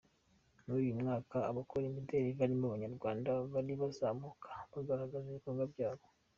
Muri uyu mwaka abakora imideli barimo n’Abanyarwanda bari kuzamuka bazagaragaza ibikorwa byabo.